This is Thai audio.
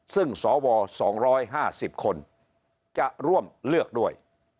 ซึ่งสว๒๕๐คนจะร่วมเลือกด้วย